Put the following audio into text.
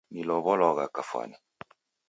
Nilow'olwagha kafwani koni.